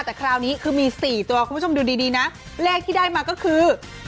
แต่คราวนี้คือมี๔ตัวคุณผู้ชมดูดีนะเลขที่ได้มาก็คือ